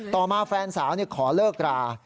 ต่อมาแฟนสาวขอเลิกรา